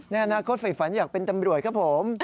ในอนาคตฝ่ายฝันอยากเป็นตำรวจครับผม